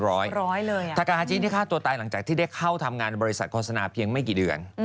ทางการอาจีนที่ฆ่าตัวตายหลังจากที่ได้เข้าทำงานบริษัทโฆษณาเพียงไม่กี่เดือน